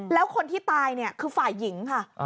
แล้วคนที่ตายเนี่ยคือฝ่ายหญิงค่ะ